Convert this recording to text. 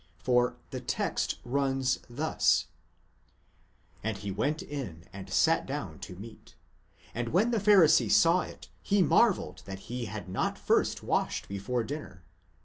For the text runs thus: And he went in and sat down to meat. And when the Fharisee saw it, he marvelled that he had not first washed before dinner.